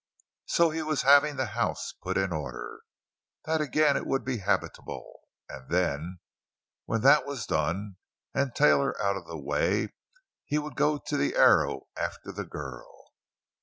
So he was having the house put in order, that it would again be habitable; and then, when that was done, and Taylor out of the way, he would go to the Arrow after the girl.